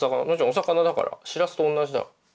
お魚だからしらすとおんなじだ。